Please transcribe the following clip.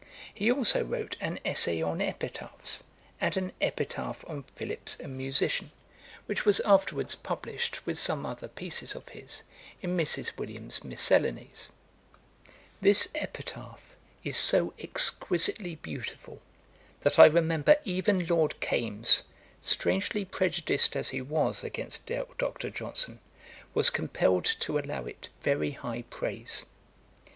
He also wrote an 'Essay on Epitaphs,' and an 'Epitaph on Philips, a Musician,' which was afterwards published with some other pieces of his, in Mrs. Williams's Miscellanies. This Epitaph is so exquisitely beautiful, that I remember even Lord Kames, strangely prejudiced as he was against Dr. Johnson, was compelled to allow it very high praise.